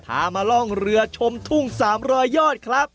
พามาล่องเรือชมทุ่ง๓๐๐ยอดครับ